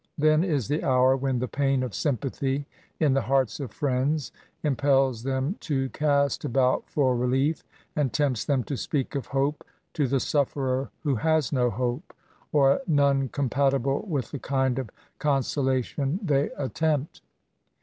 Then is the hour when the pain of sympathy in the hearts of friends impels them to cast about for relief, and tempts them to speak of hope to the sufferer who has no hope, or none compatible with the kind of consolation they attempt.